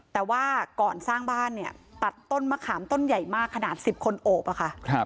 แต่ว่าก่อนสร้างบ้านเนี่ยตัดต้นมะขามต้นใหญ่มากขนาด๑๐คนโอบอะค่ะ